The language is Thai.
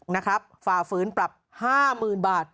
ฝ่าฝืนปรับ๕๐๐๐๐บาท